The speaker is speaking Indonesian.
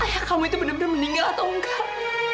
ayah kamu itu bener bener meninggal atau enggak